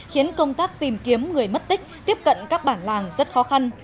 khiến công tác tìm kiếm người mất tích tiếp cận các bản làng rất khó khăn